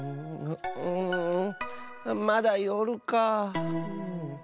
うんまだよるか。